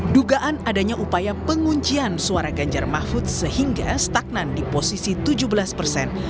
dugaan adanya upaya penguncian suara ganjar mahfud sehingga stagnan di posisi tujuh belas persen